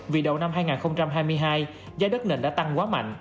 vì đầu năm hai nghìn hai mươi hai giá đất nền đã tăng quá mạnh